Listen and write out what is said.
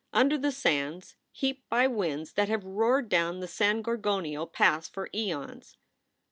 under the sands heaped by winds that have roared down San Gorgonio Pass for asons.